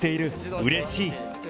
うれしい。